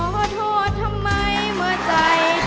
พร้อมได้ครับ